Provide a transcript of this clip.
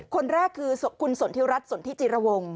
คนแรกคือคุณสนธิรัทธิ์สันธิจิรวงทร์